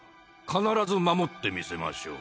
必ず守ってみせましょう。